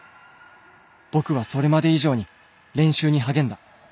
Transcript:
僕はそれまで以上に練習にはげんだ。